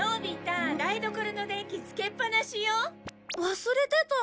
忘れてた。